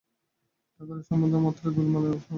টাকা-কড়ির সম্বন্ধ মাত্রেই গোলমালের সম্ভাবনা।